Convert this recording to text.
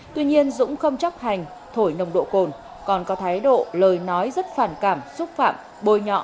tuy nhiên dũng không chấp hành thổi nồng độ cồn còn có thái độ lời nói rất phản cảm xúc phạm bồi nhọ